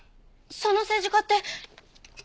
その政治家って！